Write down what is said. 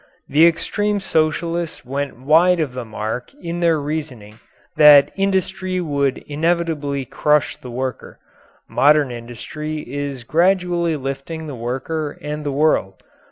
The extreme Socialists went wide of the mark in their reasoning that industry would inevitably crush the worker. Modern industry is gradually lifting the worker and the world.